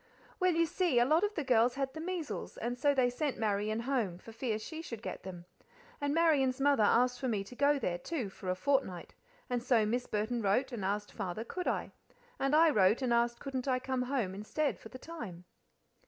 "Well, you see, a lot of the girls had the measles, and so they sent Marian home, for fear she should get them. And Marian's mother asked for me to go there, too, for a fortnight; and so Miss Burton wrote and asked Father could I? and I wrote and asked couldn't I come home instead for the time?"